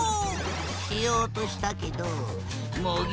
しようとしたけど茂木